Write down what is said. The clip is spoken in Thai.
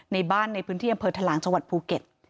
ในบ้านในพื้นที่อำเภอถารางจภูเก็ต